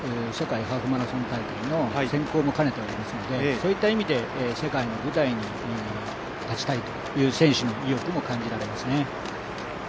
世界ハーフマラソン大会の選考も兼ねてますので、そういった意味で世界の舞台に立ちたいという選手の意欲も感じられますね。